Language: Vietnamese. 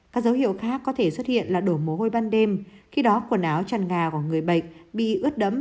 các dấu hiệu khác có thể xuất hiện là đổ mồ hôi ban đêm khi đó quần áo chăn gà của người bệnh bị ướt đấm